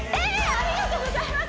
ありがとうございます！